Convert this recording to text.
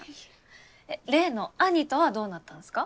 例の兄とはどうなったんすか？